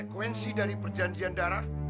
konsekuensi dari perjanjian darah